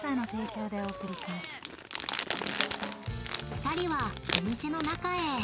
［２人はお店の中へ］